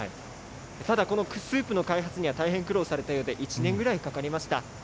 ただこのスープの開発には大変苦労されたようで、１年ぐらいかかりました。